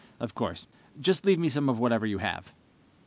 "Of course. Just leave me some of whatever you have."